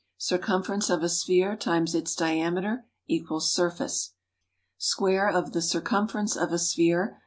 Circumference of a sphere × its diameter = Surface. Square of the circumference of a sphere ×